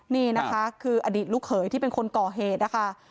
นี่นะคะคืออดีตลูกเขยที่เป็นคนก่อเหตุนะคะ